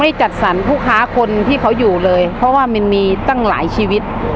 จัดสรรผู้ค้าคนที่เขาอยู่เลยเพราะว่ามันมีตั้งหลายชีวิต